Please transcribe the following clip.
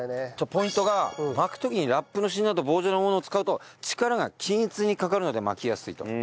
ポイントが巻く時にラップの芯など棒状のものを使うと力が均一にかかるので巻きやすいと。